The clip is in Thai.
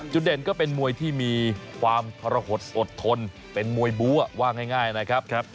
เด่นก็เป็นมวยที่มีความทรหดอดทนเป็นมวยบูว่าง่ายนะครับ